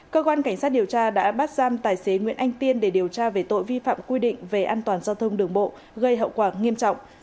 cơ quan cảnh sát điều tra đã bắt giam tài xế nguyễn anh tiên để điều tra về tội vi phạm quy định về an toàn giao thông đường bộ gây hậu quả nghiêm trọng